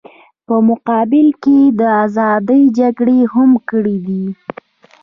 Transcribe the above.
په مقابل کې یې د ازادۍ جګړې هم کړې دي.